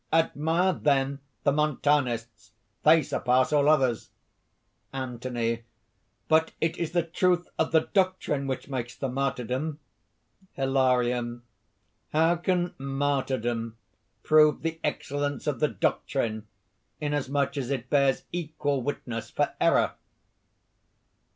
"Admire, then, the Montanists! they surpass all others." ANTHONY. "But it is the truth of the doctrine which makes the martyrdom." HILARION. "How can martyrdom prove the excellence of the doctrine, inasmuch as it bears equal witness for error?"